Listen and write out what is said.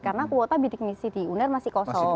karena kuota bidik misi di uner masih kosong